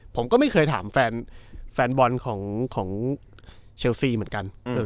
ผมก็ไม่เคยถามแฟนบอลของเชลซีเหมือนกัน